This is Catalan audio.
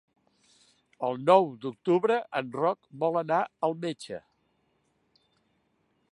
El nou d'octubre en Roc vol anar al metge.